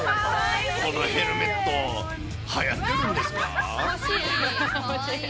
このヘルメット、はやってるんですか？